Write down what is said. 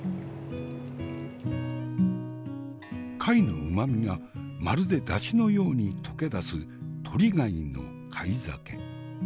貝の旨みがまるで出汁のように溶け出すトリ貝の貝酒。